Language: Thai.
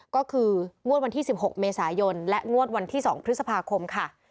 ก็คืองวดวันที่๑๖เมษายนและงวดวันที่๒พฤษภาคมค่ะ